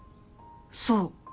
そう。